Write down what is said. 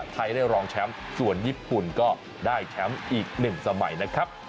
ไทยได้รองแชมป์ส่วนญี่ปุ่นก็ได้แชมป์อีก๑สมัยนะครับ